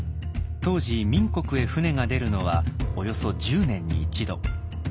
当時明国へ船が出るのはおよそ１０年に１度。